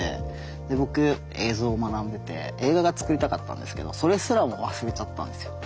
で僕映像を学んでて映画が作りたかったんですけどそれすらも忘れちゃったんですよ。